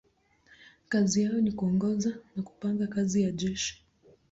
Kazi yao ni kuongoza na kupanga kazi ya jeshi.